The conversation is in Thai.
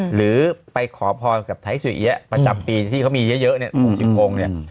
หรือไปขอพรกับไทยสุเอี๊ยะประจำปีที่เขามีเยอะเนี่ย๖๐องค์เนี่ย